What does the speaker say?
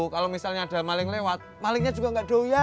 kalau misalnya ada maling lewat malingnya juga nggak doyan